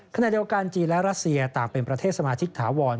ขณะเดียวกันจีนและรัสเซียต่างเป็นประเทศสมาชิกถาวร